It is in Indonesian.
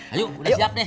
ayo udah siap deh